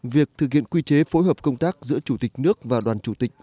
việc thực hiện quy chế phối hợp công tác giữa chủ tịch nước và đoàn chủ tịch